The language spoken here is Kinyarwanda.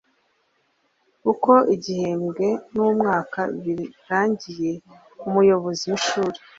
Uko igihembwe n umwaka birangiye Umuyobozi w Ishuri